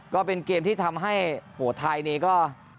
ก็เป็นเกมที่ทำให้ไทยนี่ก็